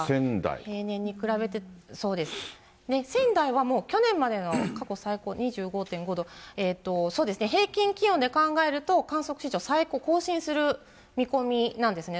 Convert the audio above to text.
平年に比べて、そうです、仙台はもう去年までの過去最高２５．５度、平均気温で考えると、観測史上最高更新する見込みなんですね。